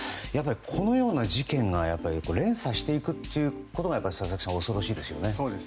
このような事件が連鎖していくことが佐々木さん、恐ろしいですよね。